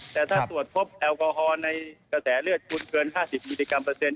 แต่ถ้าตรวจพบแอลกอฮอล์ในกระแสเลือดคุณเกิน๕๐มิลลิกรัมเปอร์เซ็น